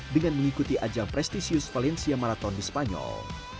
dengan mengikuti ajang prestisius valencia marathon di spanyol